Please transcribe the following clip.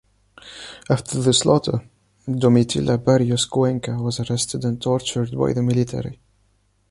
After the slaughter. Domitila Barrios Cuenca was arrested and tortured by the military.